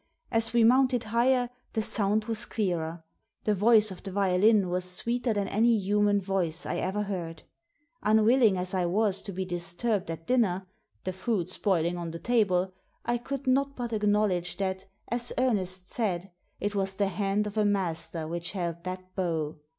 As we mounted higher the sound was clearer. The voice of the violin was sweeter than any human voice I ever heard. Unwilling Digitized by VjOOQIC 102 THE SEEN AND THE UNSEEN as I was to be disturbed at dinner — the food spoiling on the table! — I could not but acknow ledge that, as Ernest said, it was the hand of a master which held that bow.